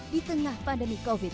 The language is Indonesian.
di tengah pandemi covid sembilan belas